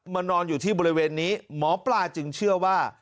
นอนอยู่ที่บริเวณนี้หมอปลาจึงเชื่อว่า